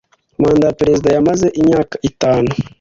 Manda ya perezida yamaze imyaka itanu.